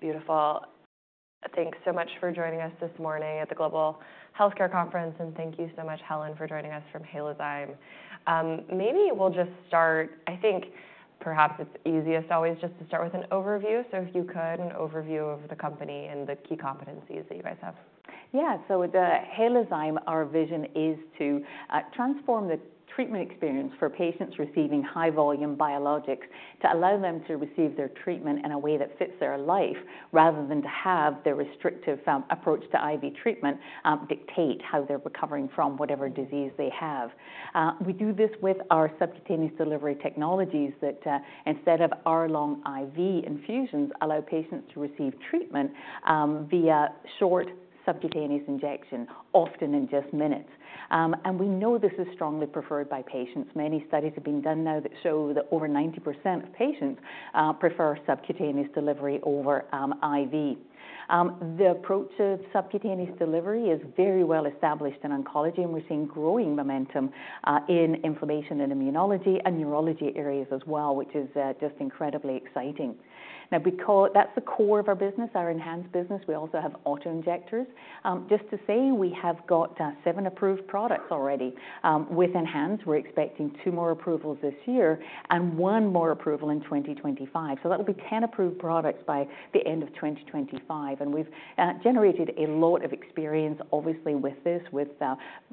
Beautiful. Thanks so much for joining us this morning at the Global Healthcare Conference, and thank you so much, Helen, for joining us from Halozyme. Maybe we'll just start. I think perhaps it's easiest always just to start with an overview. So if you could, an overview of the company and the key competencies that you guys have. Yeah. So with Halozyme, our vision is to transform the treatment experience for patients receiving high-volume biologics, to allow them to receive their treatment in a way that fits their life, rather than to have the restrictive approach to IV treatment dictate how they're recovering from whatever disease they have. We do this with our subcutaneous delivery technologies that instead of hour-long IV infusions, allow patients to receive treatment via short subcutaneous injection, often in just minutes. And we know this is strongly preferred by patients. Many studies have been done now that show that over 90% of patients prefer subcutaneous delivery over IV. The approach to subcutaneous delivery is very well established in oncology, and we're seeing growing momentum in inflammation and immunology and neurology areas as well, which is just incredibly exciting. Now, that's the core of our business, our ENHANZE business. We also have auto-injectors. Just to say, we have got seven approved products already. With ENHANZE, we're expecting two more approvals this year and 1 more approval in 2025. So that'll be 10 approved products by the end of 2025, and we've generated a lot of experience, obviously, with this. With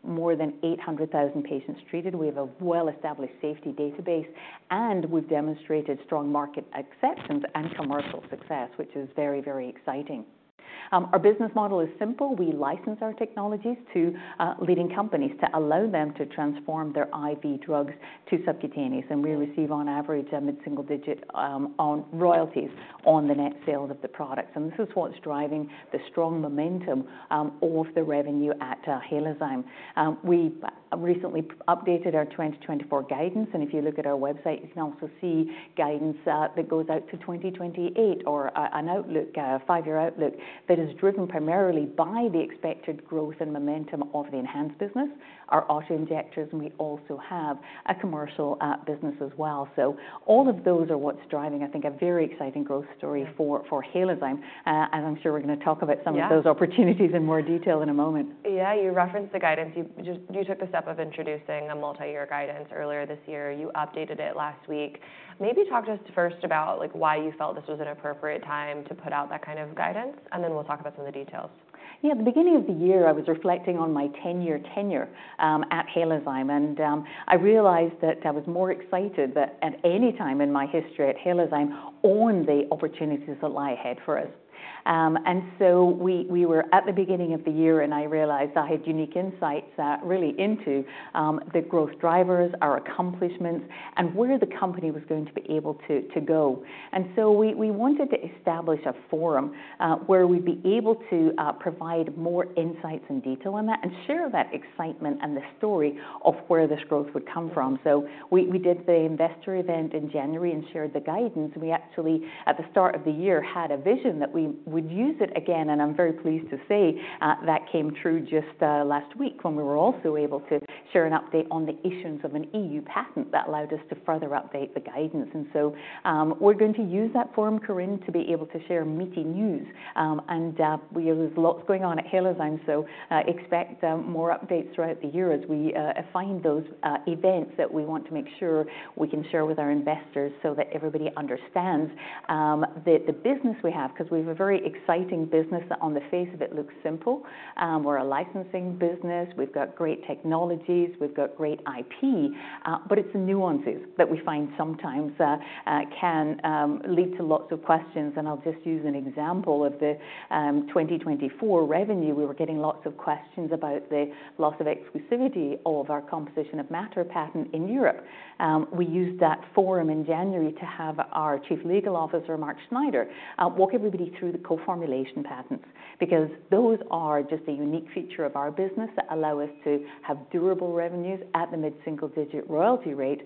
more than 800,000 patients treated, we have a well-established safety database, and we've demonstrated strong market acceptance and commercial success, which is very, very exciting. Our business model is simple: We license our technologies to leading companies to allow them to transform their IV drugs to subcutaneous, and we receive, on average, a mid-single-digit on royalties on the net sales of the products. And this is what's driving the strong momentum of the revenue at Halozyme. We recently updated our 2024 guidance, and if you look at our website, you can also see guidance that goes out to 2028, or an outlook, a five-year outlook, that is driven primarily by the expected growth and momentum of the ENHANZE business, our auto-injectors, and we also have a commercial business as well. So all of those are what's driving, I think, a very exciting growth story for Halozyme. And I'm sure we're going to talk about some- Yeah... of those opportunities in more detail in a moment. Yeah. You referenced the guidance. You just, you took the step of introducing a multiyear guidance earlier this year. You updated it last week. Maybe talk to us first about, like, why you felt this was an appropriate time to put out that kind of guidance, and then we'll talk about some of the details. Yeah. At the beginning of the year, I was reflecting on my 10-year tenure at Halozyme, and I realized that I was more excited at any time in my history at Halozyme on the opportunities that lie ahead for us. And so we were at the beginning of the year, and I realized I had unique insights really into the growth drivers, our accomplishments, and where the company was going to be able to go. And so we wanted to establish a forum where we'd be able to provide more insights and detail on that and share that excitement and the story of where this growth would come from. So we did the investor event in January and shared the guidance. We actually, at the start of the year, had a vision that we would use it again, and I'm very pleased to say that came true just last week, when we were also able to share an update on the issues of an EU patent that allowed us to further update the guidance. And so, we're going to use that forum, Corinne, to be able to share meaty news, and we have lots going on at Halozyme, so expect more updates throughout the year as we find those events that we want to make sure we can share with our investors so that everybody understands the business we have, because we have a very exciting business that on the face of it looks simple. We're a licensing business. We've got great technologies. We've got great IP, but it's the nuances that we find sometimes that can lead to lots of questions, and I'll just use an example of the 2024 revenue. We were getting lots of questions about the loss of exclusivity of our composition of matter patent in Europe. We used that forum in January to have our Chief Legal Officer, Mark Snyder, walk everybody through the co-formulation patents because those are just a unique feature of our business that allow us to have durable revenues at the mid-single-digit royalty rate,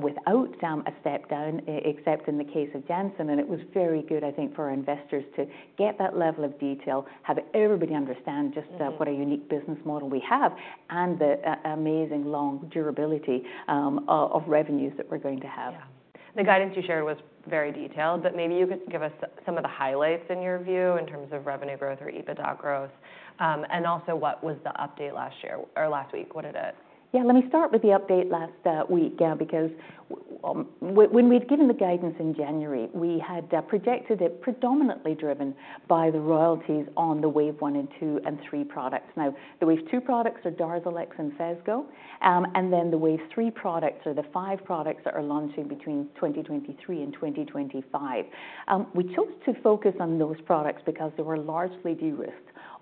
without a step down, except in the case of Janssen. And it was very good, I think, for our investors to get that level of detail, have everybody understand just- Mm-hmm... what a unique business model we have and the amazing long durability of revenues that we're going to have. Yeah. The guidance you shared was very detailed, but maybe you could give us some of the highlights in your view, in terms of revenue growth or EBITDA growth, and also what was the update last year or last week? What it is. Yeah, let me start with the update last week because when we'd given the guidance in January, we had projected it predominantly driven by the royalties on the Wave one and two and three products. Now, the Wave two products are DARZALEX and Phesgo, and then the Wave three products are the five products that are launching between 2023 and 2025. We chose to focus on those products because they were largely de-risked.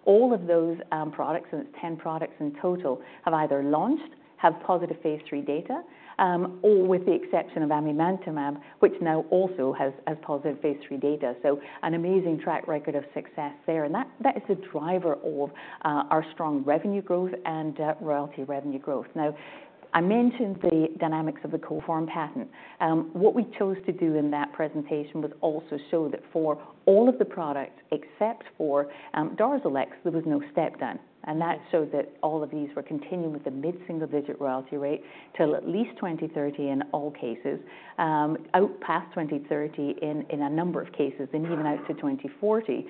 All of those products, and it's ten products in total, have either launched, have positive phase 3 data, or with the exception of amivantamab, which now also has positive phase 3 data. So an amazing track record of success there, and that is a driver of our strong revenue growth and royalty revenue growth. Now, I mentioned the dynamics of the co-formulation patent. What we chose to do in that presentation was also show that for all of the products, except for DARZALEX, there was no step down, and that showed that all of these were continuing with the mid-single-digit royalty rate till at least 2030 in all cases, out past 2030 in a number of cases- Mm-hmm... and even out to 2040,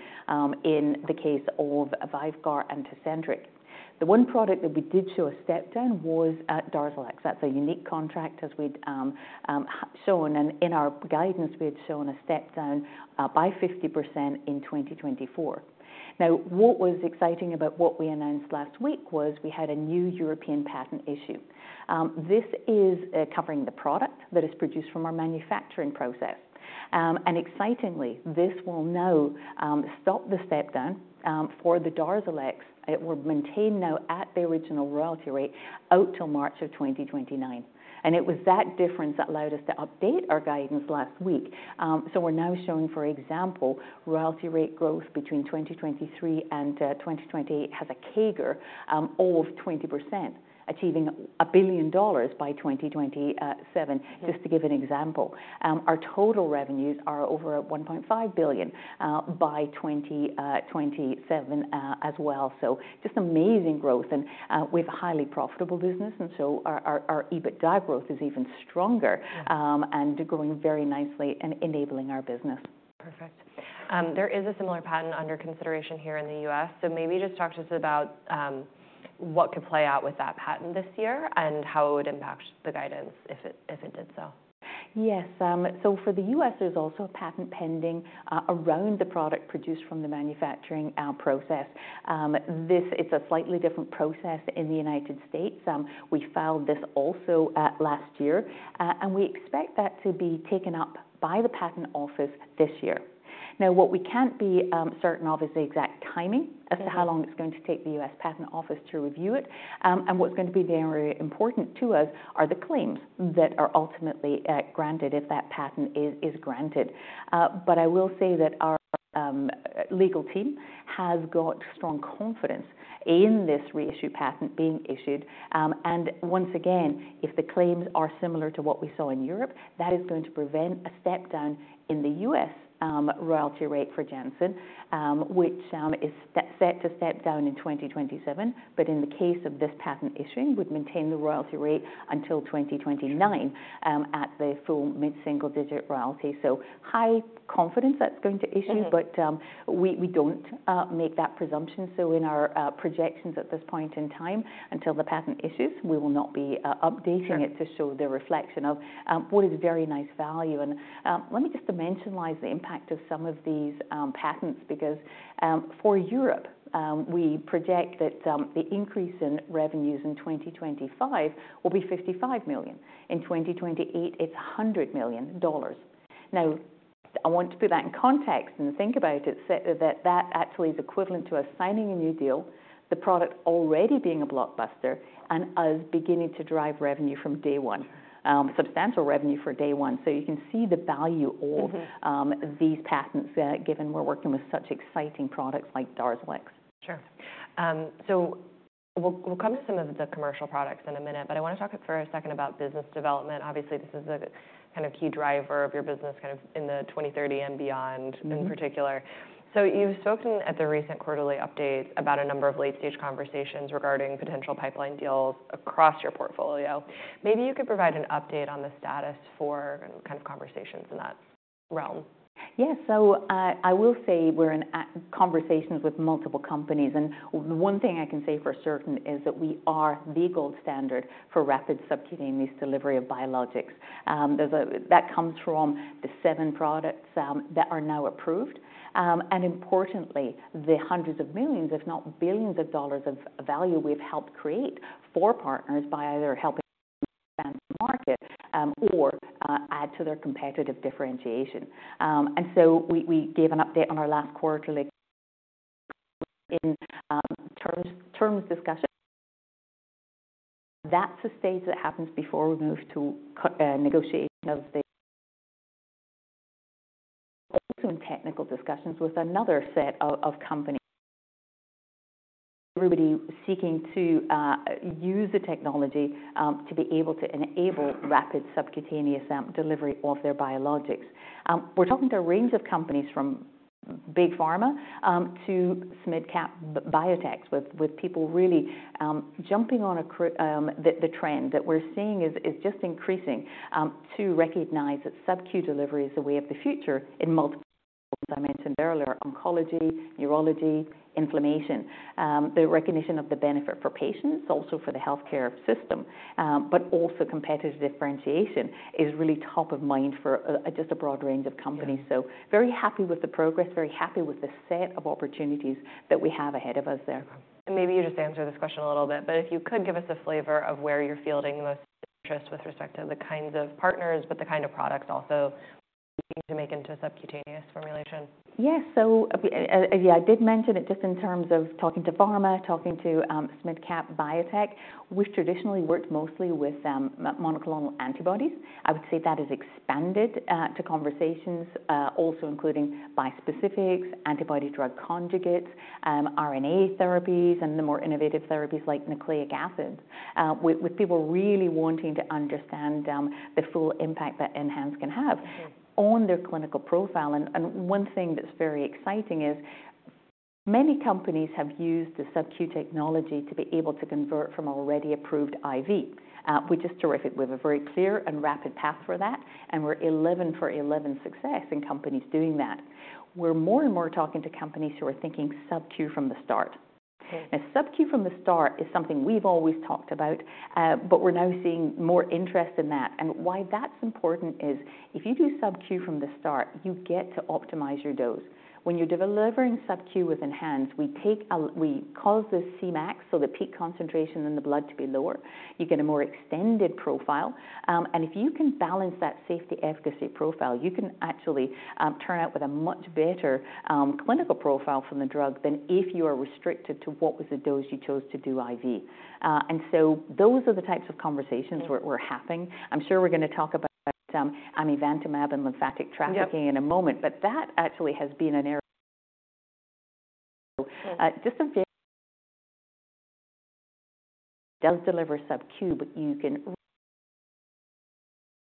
in the case of VYVGART and Tecentriq. The one product that we did show a step down was DARZALEX. That's a unique contract, as we'd shown, and in our guidance, we had shown a step down by 50% in 2024. Now, what was exciting about what we announced last week was we had a new European patent issued. This is covering the product that is produced from our manufacturing process. And excitingly, this will now stop the step down for the DARZALEX. It will maintain now at the original royalty rate out till March of 2029, and it was that difference that allowed us to update our guidance last week. So we're now showing, for example, royalty rate growth between 2023 and 2028 has a CAGR of 20%, achieving $1 billion by 2027, just to give an example. Our total revenues are over $1.5 billion by 2027 as well. So just amazing growth and with a highly profitable business, and so our EBITDA growth is even stronger and going very nicely and enabling our business. Perfect. There is a similar patent under consideration here in the U.S., so maybe just talk to us about what could play out with that patent this year and how it would impact the guidance if it, if it did so? Yes, so for the U.S., there's also a patent pending around the product produced from the manufacturing process. This is a slightly different process in the United States. We filed this also last year, and we expect that to be taken up by the patent office this year. Now, what we can't be certain of is the exact timing- Mm-hmm. as to how long it's going to take the U.S. Patent Office to review it. What's going to be very important to us are the claims that are ultimately granted, if that patent is granted. But I will say that our legal team has got strong confidence in this reissue patent being issued. Once again, if the claims are similar to what we saw in Europe, that is going to prevent a step down in the U.S. royalty rate for Janssen, which is set to step down in 2027. But in the case of this patent issuing, would maintain the royalty rate until 2029 at the full mid-single digit royalty. High confidence that's going to issue. Mm-hmm. But we don't make that presumption. So in our projections at this point in time, until the patent issues, we will not be updating- Sure... it to show the reflection of what is very nice value. And let me just dimensionalize the impact of some of these patents, because for Europe, we project that the increase in revenues in 2025 will be $55 million. In 2028, it's $100 million. Now, I want to put that in context and think about it, so that that actually is equivalent to us signing a new deal, the product already being a blockbuster, and us beginning to drive revenue from day one. Substantial revenue for day one. So you can see the value of- Mm-hmm... these patents, given we're working with such exciting products like DARZALEX. Sure. So we'll come to some of the commercial products in a minute, but I want to talk for a second about business development. Obviously, this is a kind of key driver of your business, kind of in the 2030 and beyond- Mm-hmm In particular. So you've spoken at the recent quarterly update about a number of late-stage conversations regarding potential pipeline deals across your portfolio. Maybe you could provide an update on the status for kind of conversations in that realm. Yes. So, I will say we're in conversations with multiple companies, and one thing I can say for certain is that we are the gold standard for rapid subcutaneous delivery of biologics. There's that comes from the seven products that are now approved, and importantly, the $hundreds of millions, if not $billions, of dollars of value we've helped create for partners by either helping expand the market, or add to their competitive differentiation. And so we gave an update on our last quarterly in terms discussion. That's a stage that happens before we move to negotiation of the... Some technical discussions with another set of companies. Everybody seeking to use the technology to be able to enable rapid subcutaneous delivery of their biologics. We're talking to a range of companies, from big pharma to midcap biotechs, with people really jumping on the trend that we're seeing is just increasing to recognize that subQ delivery is the way of the future in multiple—I mentioned earlier, oncology, neurology, inflammation. The recognition of the benefit for patients, also for the healthcare system, but also competitive differentiation is really top of mind for just a broad range of companies. Yeah. Very happy with the progress, very happy with the set of opportunities that we have ahead of us there. Maybe you just answered this question a little bit, but if you could, give us a flavor of where you're fielding the most interest with respect to the kinds of partners, but the kind of products also seeking to make into a subcutaneous formulation. Yes. So, yeah, I did mention it just in terms of talking to pharma, talking to midcap biotech. We've traditionally worked mostly with monoclonal antibodies. I would say that has expanded to conversations also including bispecifics, antibody drug conjugates, RNA therapies, and the more innovative therapies like nucleic acids, with people really wanting to understand the full impact that ENHANZE can have- Sure ... on their clinical profile. And one thing that's very exciting is many companies have used the subQ technology to be able to convert from already approved IV, which is terrific. We have a very clear and rapid path for that, and we're 11 for 11 success in companies doing that. We're more and more talking to companies who are thinking subQ from the start. And subQ from the start is something we've always talked about, but we're now seeing more interest in that. And why that's important is, if you do subQ from the start, you get to optimize your dose. When you're delivering subQ with ENHANZE, we cause the Cmax, so the peak concentration in the blood, to be lower. You get a more extended profile, and if you can balance that safety-efficacy profile, you can actually turn out with a much better clinical profile from the drug than if you are restricted to what was the dose you chose to do IV. And so those are the types of conversations we're having. I'm sure we're gonna talk about amivantamab and lymphatic trafficking- Yep. -in a moment, but that actually has been an area. Just does deliver subQ, but you can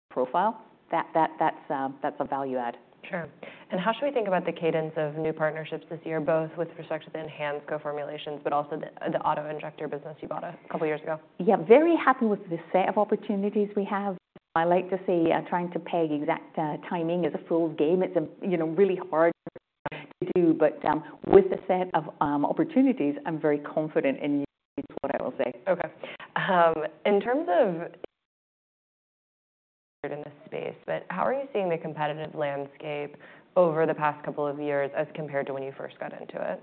profile. That, that, that's, that's a value add. Sure. And how should we think about the cadence of new partnerships this year, both with respect to the ENHANZE co-formulations, but also the auto-injector business you bought a couple years ago? Yeah, very happy with the set of opportunities we have. I like to say, trying to peg exact timing is a fool's game. It's a, you know, really hard to do, but, with the set of opportunities, I'm very confident in what I will say. Okay. In terms of in this space, but how are you seeing the competitive landscape over the past couple of years as compared to when you first got into it?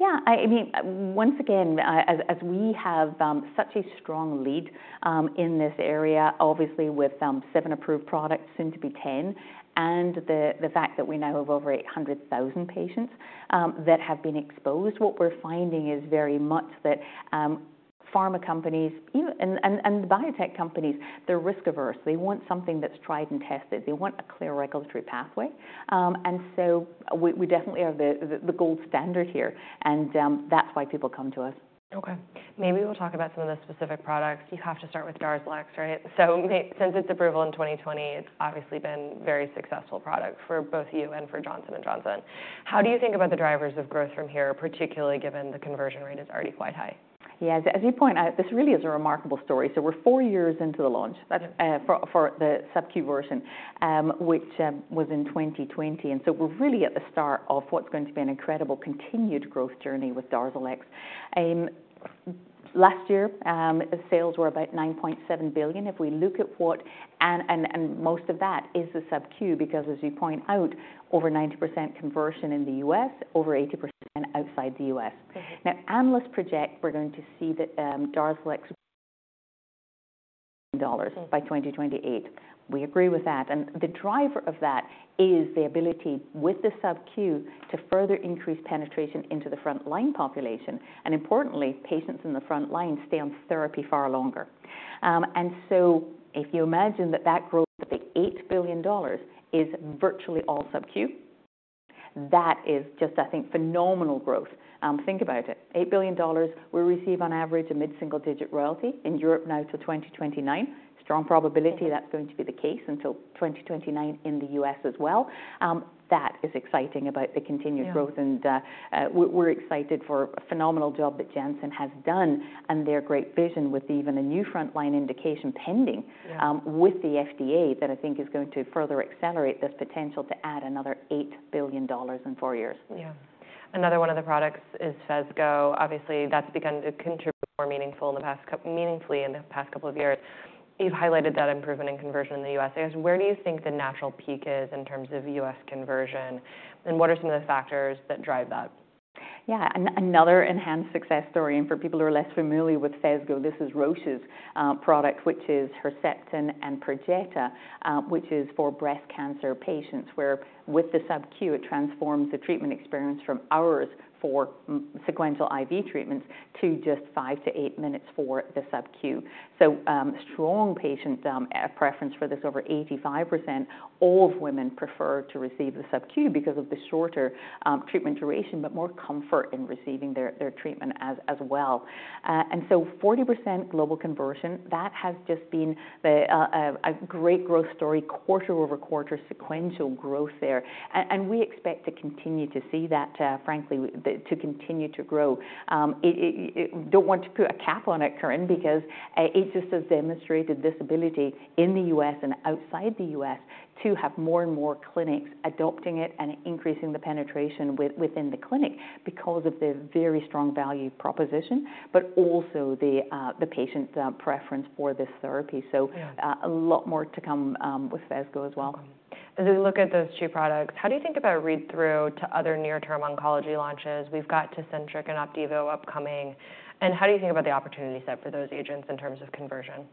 Yeah, I mean, once again, as we have such a strong lead in this area, obviously with seven approved products, soon to be 10, and the fact that we now have over 800,000 patients that have been exposed, what we're finding is very much that pharma companies and biotech companies, they're risk-averse. They want something that's tried and tested. They want a clear regulatory pathway. And so we definitely are the gold standard here, and that's why people come to us. Okay. Maybe we'll talk about some of the specific products. You have to start with DARZALEX, right? So since its approval in 2020, it's obviously been a very successful product for both you and for Johnson & Johnson. How do you think about the drivers of growth from here, particularly given the conversion rate is already quite high? Yeah, as you point out, this really is a remarkable story. So we're four years into the launch for the subQ version, which was in 2020. So we're really at the start of what's going to be an incredible continued growth journey with DARZALEX. Last year, the sales were about $9.7 billion. If we look at what and most of that is the subQ, because as you point out, over 90% conversion in the U.S., over 80% outside the U.S. Okay. Now, analysts project we're going to see the DARZALEX dollars by 2028. We agree with that, and the driver of that is the ability, with the subQ, to further increase penetration into the front-line population, and importantly, patients in the front line stay on therapy far longer. And so if you imagine that that growth, the $8 billion, is virtually all subQ, that is just, I think, phenomenal growth. Think about it, $8 billion, we receive on average a mid-single-digit royalty in Europe now to 2029. Strong probability- Okay. -that's going to be the case until 2029 in the U.S. as well. That is exciting about the continued growth- Yeah. and we're excited for a phenomenal job that Janssen has done and their great vision with even a new frontline indication pending- Yeah... with the FDA, that I think is going to further accelerate this potential to add another $8 billion in 4 years. Yeah. Another one of the products is Phesgo. Obviously, that's begun to contribute more meaningfully in the past couple of years. You've highlighted that improvement in conversion in the U.S. I guess, where do you think the natural peak is in terms of U.S. conversion, and what are some of the factors that drive that? Yeah, another ENHANZE success story, and for people who are less familiar with Phesgo, this is Roche's product, which is Herceptin and Perjeta, which is for breast cancer patients, where with the subQ, it transforms the treatment experience from hours for sequential IV treatments to just five to eight minutes for the subQ. So, strong patient preference for this. Over 85% of women prefer to receive the subQ because of the shorter treatment duration, but more comfort in receiving their treatment as well. And so 40% global conversion, that has just been a great growth story, quarter-over-quarter sequential growth there. And we expect to continue to see that, frankly, to continue to grow. I don't want to put a cap on it, Corinne, because it's just has demonstrated this ability in the U.S. and outside the U.S. to have more and more clinics adopting it and increasing the penetration within the clinic because of the very strong value proposition, but also the patient preference for this therapy. Yeah. So, a lot more to come with Phesgo as well. As we look at those two products, how do you think about read-through to other near-term oncology launches? We've got Tecentriq and Opdivo upcoming, and how do you think about the opportunity set for those agents in terms of conversion?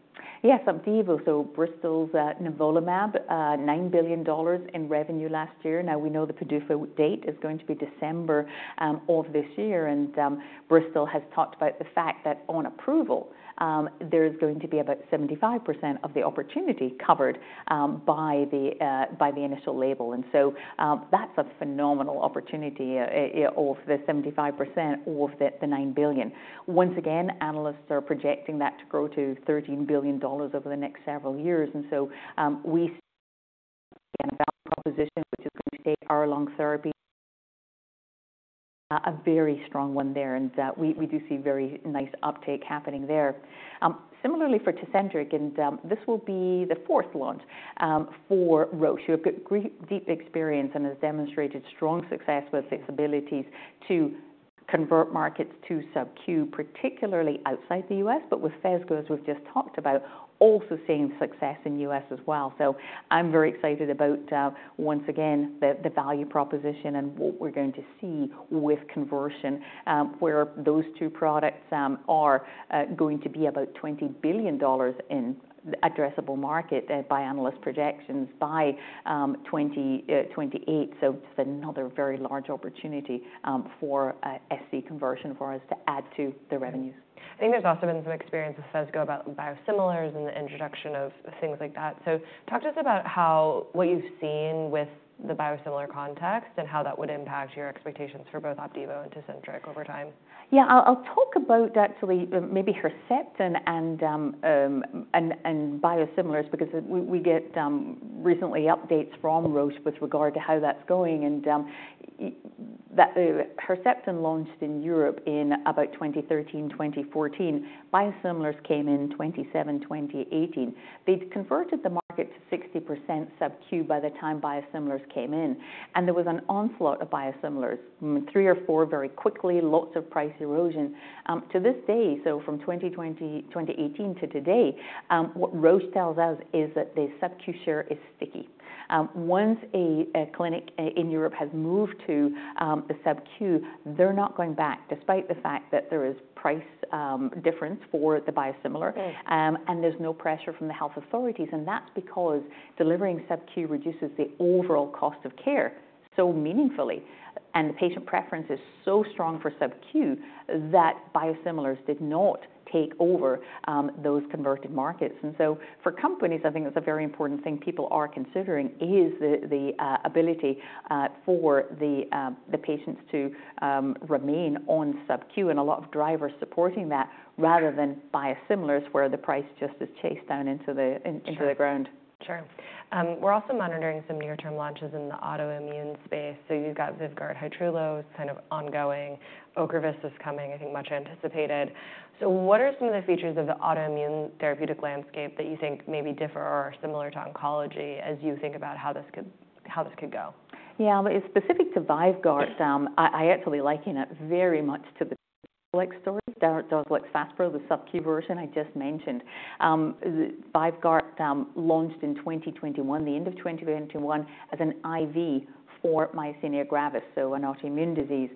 Yes, Opdivo, so Bristol's nivolumab, $9 billion in revenue last year. Now, we know the PDUFA date is going to be December of this year, and Bristol has talked about the fact that on approval, there is going to be about 75% of the opportunity covered by the initial label. And so, that's a phenomenal opportunity of the 75%, of the $9 billion. Once again, analysts are projecting that to grow to $13 billion over the next several years, and so, we again, a value proposition, which is going to take our long therapy. A very strong one there, and we, we do see very nice uptake happening there. Similarly for Tecentriq, and this will be the fourth launch for Roche, who have got great, deep experience and has demonstrated strong success with flexibilities to convert markets to subq, particularly outside the U.S., but with Phesgo, as we've just talked about, also seeing success in U.S. as well. So I'm very excited about once again, the value proposition and what we're going to see with conversion, where those two products are going to be about $20 billion in addressable market by analyst projections by 2028. So it's another very large opportunity for SC conversion for us to add to the revenues. I think there's also been some experience with Phesgo about biosimilars and the introduction of things like that. So talk to us about how, what you've seen with the biosimilar context and how that would impact your expectations for both Opdivo and Tecentriq over time. Yeah, I'll talk about actually maybe Herceptin and biosimilars, because we get recently updates from Roche with regard to how that's going, and that Herceptin launched in Europe in about 2013, 2014. Biosimilars came in 2017, 2018. They'd converted the market to 60% subq by the time biosimilars came in, and there was an onslaught of biosimilars, three or four, very quickly, lots of price erosion. To this day, so from 2020, 2018 to today, what Roche tells us is that the subq share is sticky. Once a clinic in Europe has moved to a subq, they're not going back, despite the fact that there is price difference for the biosimilar- Sure... and there's no pressure from the health authorities, and that's because delivering subq reduces the overall cost of care so meaningfully, and the patient preference is so strong for subq, that biosimilars did not take over, those converted markets. And so for companies, I think that's a very important thing people are considering, is the ability for the patients to remain on subq and a lot of drivers supporting that, rather than biosimilars, where the price just is chased down into the- Sure ... into the ground. Sure. We're also monitoring some near-term launches in the autoimmune space. So you've got VYVGART Hytrulo, kind of ongoing. Ocrevus is coming, I think, much anticipated. So what are some of the features of the autoimmune therapeutic landscape that you think maybe differ or are similar to oncology as you think about how this could, how this could go? Yeah, but specific to VYVGART, I actually liken it very much to the story. There was like FASPRO, the subq version I just mentioned. VYVGART launched in 2021, the end of 2021, as an IV for myasthenia gravis, so an autoimmune disease.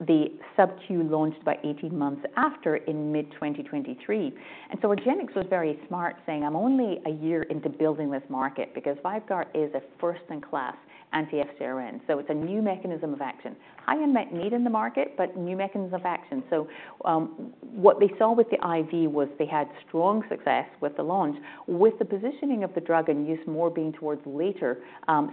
The subq launched by 18 months after, in mid-2023. And so argenx was very smart, saying, "I'm only a year into building this market," because VYVGART is a first-in-class anti-FcRn, so it's a new mechanism of action. High unmet need in the market, but new mechanism of action. So, what they saw with the IV was they had strong success with the launch, with the positioning of the drug and use more being towards later,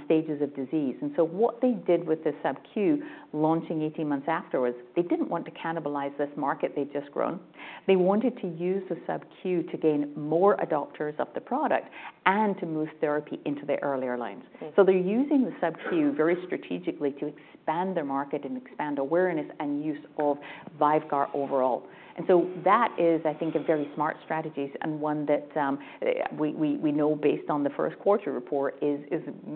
stages of disease. So what they did with the subq, launching 18 months afterwards, they didn't want to cannibalize this market they'd just grown. They wanted to use the subq to gain more adopters of the product and to move therapy into the earlier lines. Mm. So they're using the subq very strategically to expand their market and expand awareness and use of VYVGART overall. And so that is, I think, a very smart strategies and one that we know based on the first quarter report is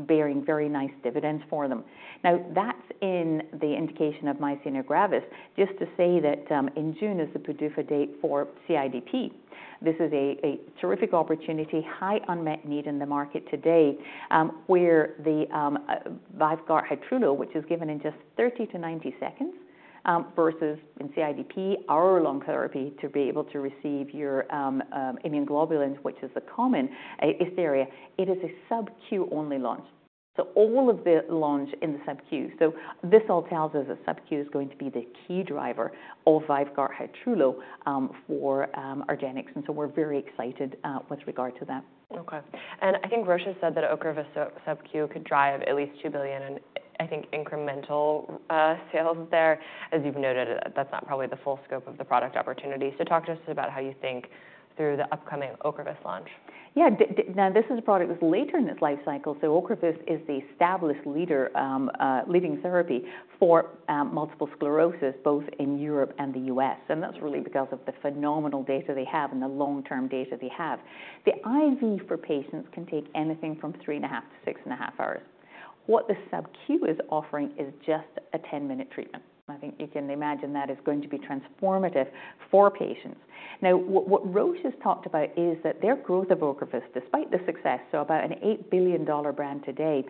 bearing very nice dividends for them. Now, that's in the indication of myasthenia gravis. Just to say that in June is the PDUFA date for CIDP. This is a terrific opportunity, high unmet need in the market today, where the VYVGART Hytrulo, which is given in just 30-90 seconds, versus in CIDP, hour-long therapy, to be able to receive your immunoglobulins, which is the common area. It is a subq-only launch, so all of the launch in the subq. So this all tells us that subq is going to be the key driver of VYVGART Hytrulo for argenx, and so we're very excited with regard to that. Okay. And I think Roche has said that Ocrevus subq could drive at least $2 billion in, I think, incremental sales there. As you've noted, that's not probably the full scope of the product opportunity. So talk to us about how you think through the upcoming ocrevus launch. Yeah, now, this is a product that's later in its life cycle, so ocrevus is the established leader, leading therapy for multiple sclerosis, both in Europe and the U.S., and that's really because of the phenomenal data they have and the long-term data they have. The IV for patients can take anything from 3.5-6.5 hours. What the subq is offering is just a 10-minute treatment. I think you can imagine that is going to be transformative for patients. Now, what Roche has talked about is that their growth of ocrevus, despite the success, so about an $8 billion brand today,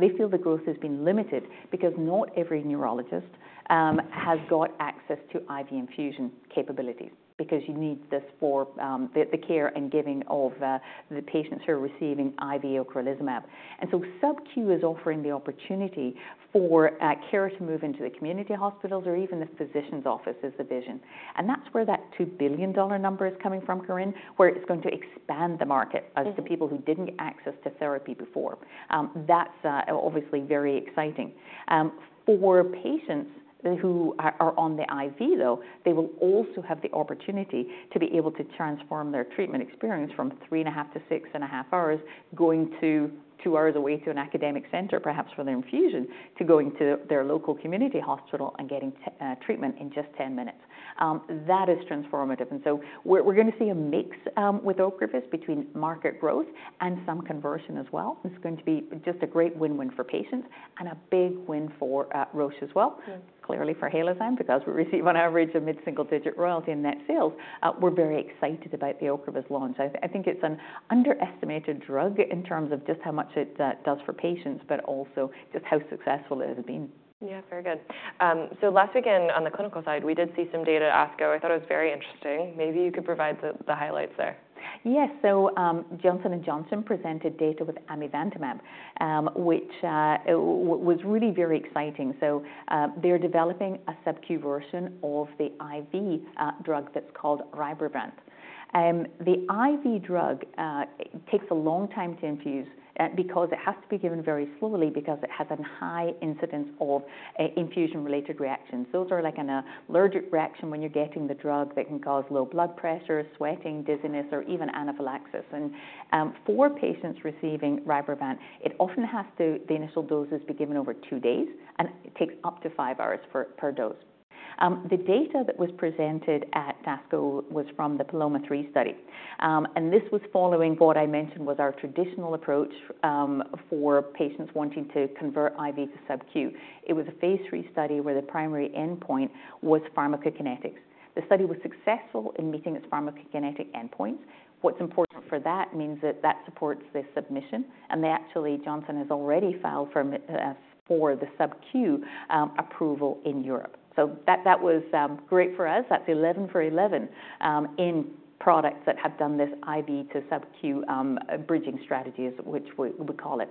they feel the growth has been limited because not every neurologist has got access to IV infusion capabilities, because you need this for the care and giving of the patients who are receiving IV ocrelizumab. And so subq is offering the opportunity for care to move into the community hospitals or even the physician's office is the vision. And that's where that $2 billion number is coming from, Corinne, where it's going to expand the market- Mm... as the people who didn't access to therapy before. That's obviously very exciting. For patients who are on the IV, though, they will also have the opportunity to be able to transform their treatment experience from 3.5-6.5 hours, going 2 hours away to an academic center, perhaps for their infusion, to going to their local community hospital and getting treatment in just 10 minutes. That is transformative, and so we're gonna see a mix with ocrevus between market growth and some conversion as well. It's going to be just a great win-win for patients and a big win for Roche as well. Sure. Clearly for Halozyme, because we receive on average a mid-single-digit royalty in net sales. We're very excited about the ocrevus launch. I think it's an underestimated drug in terms of just how much it does for patients, but also just how successful it has been. Yeah, very good. Last weekend, on the clinical side, we did see some data at ASCO. I thought it was very interesting. Maybe you could provide the highlights there. ... Yes, so, Johnson & Johnson presented data with amivantamab, which was really very exciting. So, they're developing a subcu version of the IV drug that's called RYBREVANT. The IV drug takes a long time to infuse because it has to be given very slowly, because it has a high incidence of infusion-related reactions. Those are like an allergic reaction when you're getting the drug that can cause low blood pressure, sweating, dizziness, or even anaphylaxis. And, for patients receiving RYBREVANT, it often has to, the initial doses, be given over two days, and it takes up to five hours per dose. The data that was presented at ASCO was from the PALOMA-3 study. And this was following what I mentioned was our traditional approach, for patients wanting to convert IV to subcu. It was a phase 3 study where the primary endpoint was pharmacokinetics. The study was successful in meeting its pharmacokinetic endpoint. What's important for that means that that supports the submission, and they actually, Johnson, has already filed for the subQ approval in Europe. So that was great for us. That's 11 for 11 in products that have done this IV to subQ bridging strategy, as which we call it.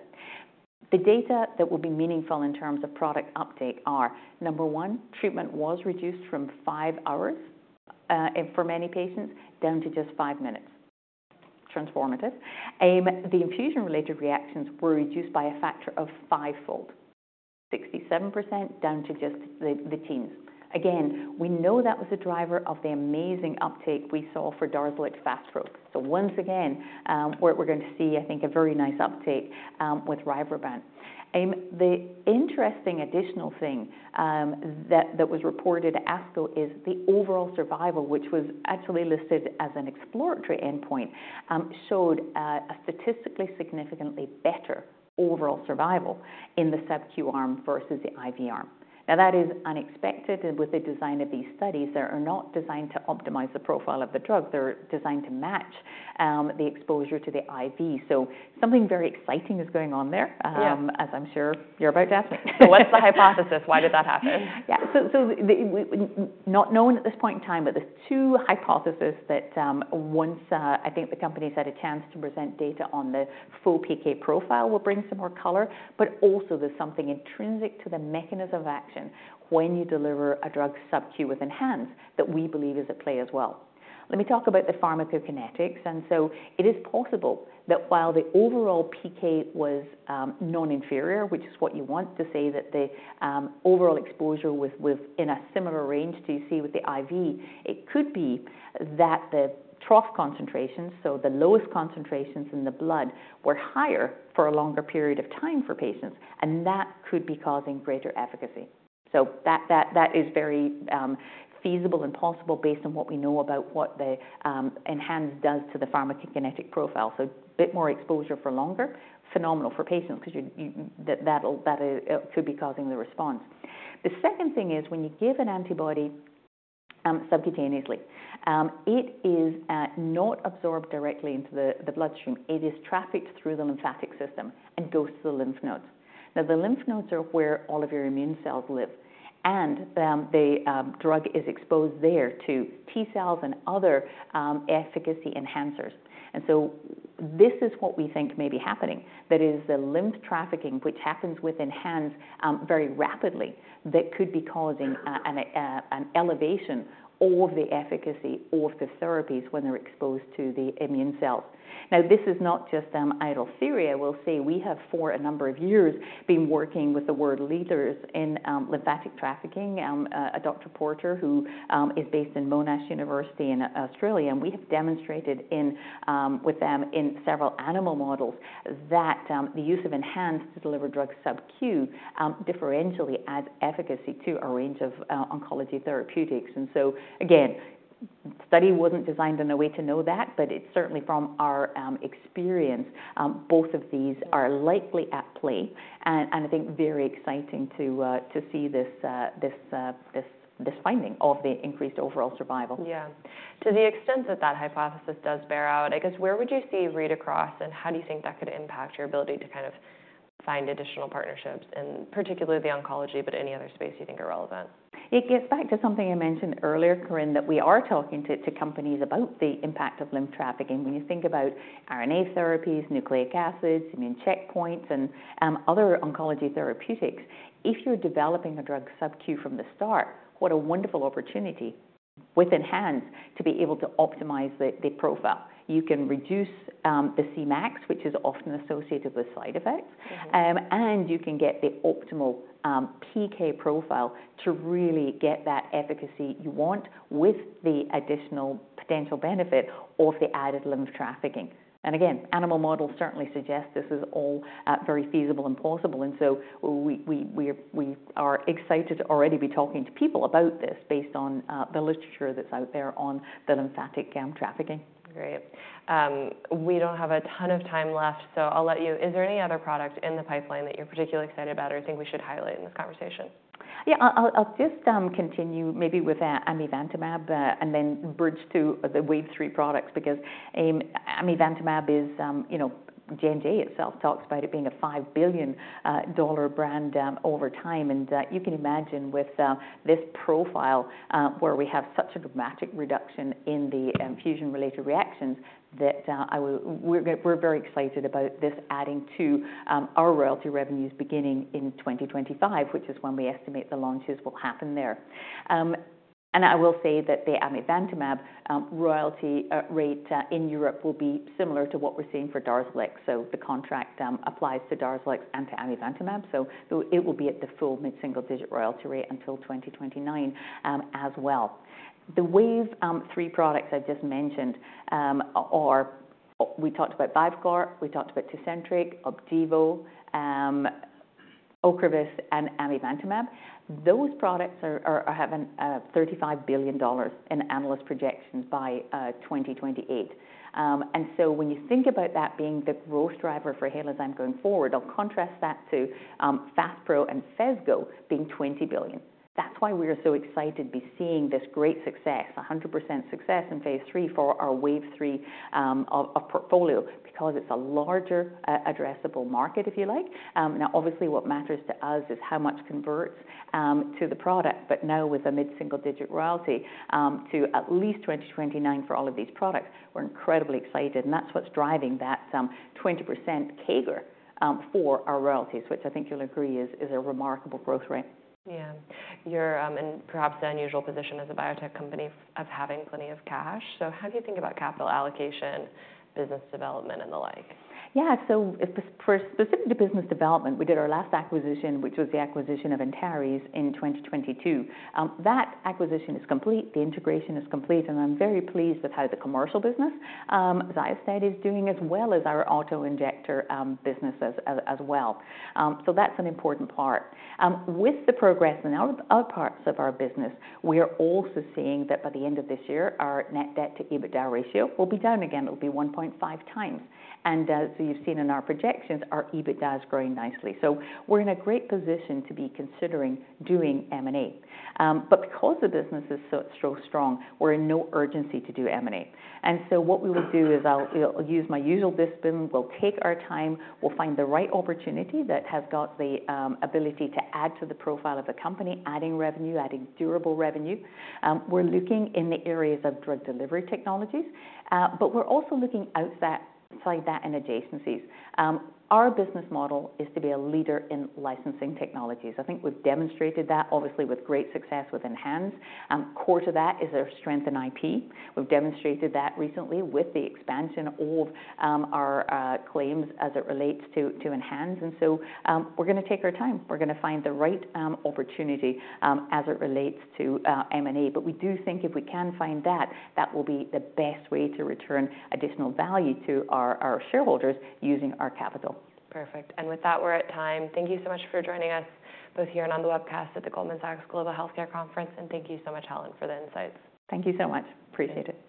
The data that will be meaningful in terms of product uptake are, number one, treatment was reduced from 5 hours for many patients down to just 5 minutes. Transformative. The infusion-related reactions were reduced by a factor of fivefold, 67%, down to just the teens. Again, we know that was a driver of the amazing uptake we saw for DARZALEX FASPRO. So once again, we're going to see, I think, a very nice uptake with RYBREVANT. The interesting additional thing that was reported, ASCO, is the overall survival, which was actually listed as an exploratory endpoint, showed a statistically significantly better overall survival in the subQ arm versus the IV arm. Now, that is unexpected with the design of these studies. They are not designed to optimize the profile of the drug. They're designed to match the exposure to the IV. So something very exciting is going on there- Yeah as I'm sure you're about to ask. What's the hypothesis? Why did that happen? Yeah. So, why is not known at this point in time, but there's two hypotheses that, once, I think the company's had a chance to present data on the full PK profile will bring some more color, but also there's something intrinsic to the mechanism of action when you deliver a drug subQ with ENHANZE, that we believe is at play as well. Let me talk about the pharmacokinetics, and so it is possible that while the overall PK was non-inferior, which is what you want to say, that the overall exposure was in a similar range to what you see with the IV, it could be that the trough concentrations, so the lowest concentrations in the blood, were higher for a longer period of time for patients, and that could be causing greater efficacy. So that is very feasible and possible based on what we know about what the ENHANZE does to the pharmacokinetic profile. So a bit more exposure for longer, phenomenal for patients 'cause that could be causing the response. The second thing is, when you give an antibody subcutaneously, it is not absorbed directly into the bloodstream. It is trafficked through the lymphatic system and goes to the lymph nodes. Now, the lymph nodes are where all of your immune cells live, and the drug is exposed there to T-cells and other efficacy enhancers. And so this is what we think may be happening. That is, the lymphatic trafficking, which happens with ENHANZE®, very rapidly, that could be causing an elevation of the efficacy of the therapies when they're exposed to the immune cells. Now, this is not just some idle theory. I will say we have, for a number of years, been working with the world leaders in lymphatic trafficking, Dr. Porter, who is based in Monash University in Australia, and we have demonstrated with them in several animal models, that the use of ENHANZE® to deliver drugs subcu differentially adds efficacy to a range of oncology therapeutics. And so again, the study wasn't designed in a way to know that, but it's certainly from our experience both of these are likely at play, and I think very exciting to see this finding of the increased overall survival. Yeah. To the extent that that hypothesis does bear out, I guess, where would you see read-across, and how do you think that could impact your ability to kind of find additional partnerships, in particular the oncology, but any other space you think are relevant? It gets back to something I mentioned earlier, Corinne, that we are talking to companies about the impact of lymph trafficking. When you think about RNA therapies, nucleic acids, immune checkpoints, and other oncology therapeutics, if you're developing a drug subcu from the start, what a wonderful opportunity with ENHANZE to be able to optimize the profile. You can reduce the Cmax, which is often associated with side effects- Mm-hmm. and you can get the optimal PK profile to really get that efficacy you want with the additional potential benefit of the added lymphatic trafficking. And again, animal models certainly suggest this is all very feasible and possible, and so we are excited to already be talking to people about this based on the literature that's out there on the lymphatic trafficking. Great. We don't have a ton of time left, so I'll let you... Is there any other product in the pipeline that you're particularly excited about or think we should highlight in this conversation?... Yeah, I'll just continue maybe with amivantamab and then bridge to the Wave three products, because amivantamab is, you know, J&J itself talks about it being a $5 billion brand over time. And you can imagine with this profile where we have such a dramatic reduction in the infusion-related reactions, that we're very excited about this adding to our royalty revenues beginning in 2025, which is when we estimate the launches will happen there. And I will say that the amivantamab royalty rate in Europe will be similar to what we're seeing for DARZALEX. So the contract applies to DARZALEX and to amivantamab, so it will be at the full mid-single digit royalty rate until 2029, as well. The Wave three products I just mentioned are: we talked about VYVGART, we talked about TECENTRIQ, Opdivo, ocrevus, and amivantamab. Those products are having $35 billion in analyst projections by 2028. And so when you think about that being the growth driver for Halozyme going forward, I'll contrast that to FASPRO and Phesgo being $20 billion. That's why we are so excited to be seeing this great success, 100% success in phase 3 for our Wave three of portfolio, because it's a larger addressable market, if you like. Now, obviously, what matters to us is how much converts to the product, but now with a mid-single digit royalty to at least 2029 for all of these products, we're incredibly excited, and that's what's driving that some 20% CAGR for our royalties, which I think you'll agree is, is a remarkable growth rate. Yeah. You're in perhaps the unusual position as a biotech company of having plenty of cash. So how do you think about capital allocation, business development, and the like? Yeah. So for specifically to business development, we did our last acquisition, which was the acquisition of Antares in 2022. That acquisition is complete, the integration is complete, and I'm very pleased with how the commercial business, XYOSTED is doing, as well as our auto injector business as well. So that's an important part. With the progress in our other parts of our business, we are also seeing that by the end of this year, our net debt to EBITDA ratio will be down again. It will be 1.5 times. And, so you've seen in our projections, our EBITDA is growing nicely. So we're in a great position to be considering doing M&A. But because the business is so, so strong, we're in no urgency to do M&A. And so what we will do is I'll, you know, use my usual discipline. We'll take our time, we'll find the right opportunity that has got the ability to add to the profile of the company, adding revenue, adding durable revenue. We're looking in the areas of drug delivery technologies, but we're also looking outside that, in adjacencies. Our business model is to be a leader in licensing technologies. I think we've demonstrated that, obviously, with great success with ENHANZE. Core to that is our strength in IP. We've demonstrated that recently with the expansion of our claims as it relates to ENHANZE. And so, we're gonna take our time. We're gonna find the right opportunity as it relates to M&A. But we do think if we can find that, that will be the best way to return additional value to our shareholders using our capital. Perfect. With that, we're at time. Thank you so much for joining us, both here and on the webcast at the Goldman Sachs Global Healthcare Conference. Thank you so much, Helen, for the insights. Thank you so much. Appreciate it.